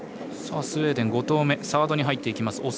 スウェーデン、５投目サードに入ります。